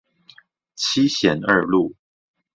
七賢二路